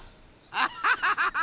アハハハ！